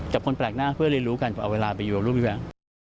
กับคนแปลกหน้าเพื่อเรียนรู้กันเอาเวลาไปอยู่กับรูปพี่แฟ้ง